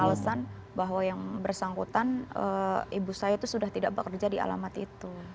dan alasan bahwa yang bersangkutan ibu saya itu sudah tidak bekerja di alamat itu